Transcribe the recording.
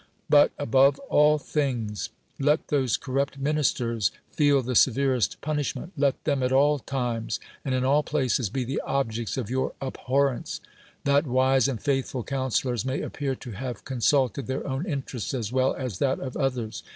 But, above all things, let those corrupt ministers feel the severest pun ishment; let them, at all times, and in all places, be the objects of your abhorrence : that wise and faithful counselors may appear to have con sulted their own interests as well as that of others.